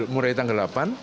mulai tanggal delapan